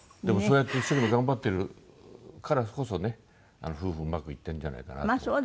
でもそうやって一生懸命頑張ってるからこそね夫婦うまくいってるんじゃないかなと。